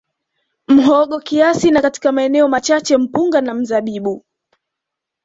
Muhogo kiasi na katika maeneo machache mpunga na mzabibu